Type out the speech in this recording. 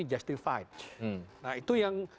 justifikan nah itu yang